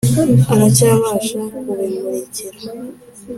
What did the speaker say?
Aracyabasha kubimurikira.